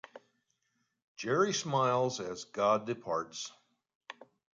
Jerry smiles as God departs.